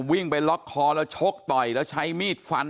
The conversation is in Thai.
วิ่งไปล็อกคอแล้วชกต่อยแล้วใช้มีดฟัน